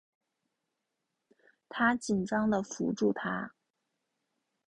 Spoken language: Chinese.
她紧张的扶住她